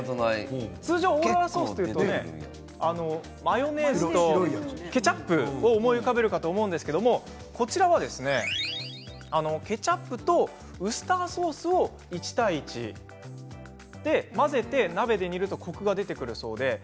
通常オーロラソースというとマヨネーズとケチャップ思い浮かべると思うんですがこちらはケチャップとウスターソースを１対１混ぜて鍋で煮るとコクが出るそうです。